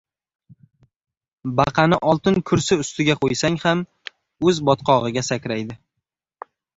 • Baqani oltin kursi ustiga qo‘ysang ham o‘z botqog‘iga sakraydi.